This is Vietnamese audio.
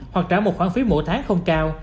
hoặc trả một khoản phí mỗi tháng không cao